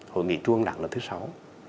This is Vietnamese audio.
hội nghị trung ương đảng lần thứ sáu